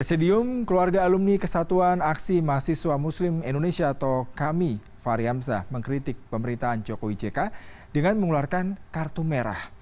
presidium keluarga alumni kesatuan aksi mahasiswa muslim indonesia atau kami fahri hamzah mengkritik pemerintahan jokowi jk dengan mengeluarkan kartu merah